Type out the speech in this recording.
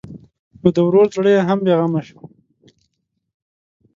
نو د ورور زړه یې هم بېغمه شو.